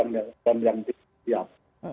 dan yang disiap